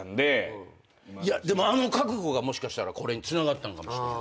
でもあの覚悟がもしかしたらこれにつながったのかもしれへんわ。